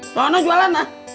sana jualan lah